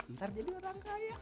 ntar jadi orang kaya